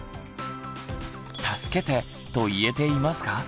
「助けて」と言えていますか？